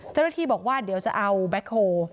เจ้าหน้าที่บอกว่าเดี๋ยวจะเอาแบ็คโฮล